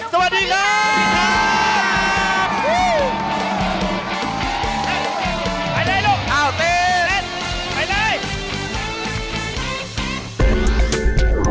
สวัสดีครับ